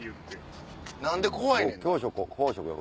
何で怖いねんな？